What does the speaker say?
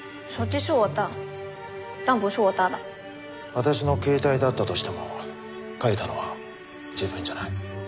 私の携帯だったとしても書いたのは自分じゃない。